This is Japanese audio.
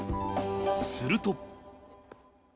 すると。